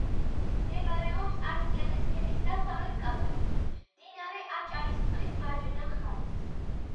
მდებარეობს არსიანის ქედის დასავლეთ კალთაზე, მდინარე აჭარისწყლის მარჯვენა მხარეს.